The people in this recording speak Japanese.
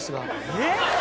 えっ？